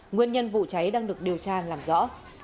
nguyên nhân vụ cháy đang được điều tra làm rõ